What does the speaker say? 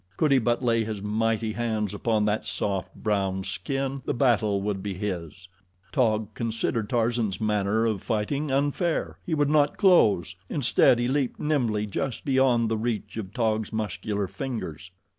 Could he but lay his mighty hands upon that soft, brown skin the battle would be his. Taug considered Tarzan's manner of fighting unfair. He would not close. Instead, he leaped nimbly just beyond the reach of Taug's muscular fingers.